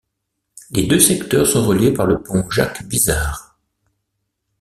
Les deux secteurs sont reliés par le pont Jacques-Bizard.